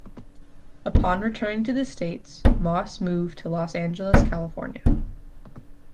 Upon returning to the States, Moss moved to Los Angeles, California.